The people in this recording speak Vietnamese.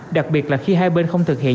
đặc biệt là khi hai bên không thực hiện